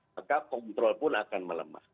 maka kontrol pun akan melemah